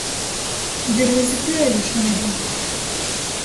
Тиде рвезе кӧ ыле, шонеда?